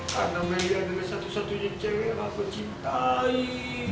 karena mary adalah satu satunya cewek yang aku cintai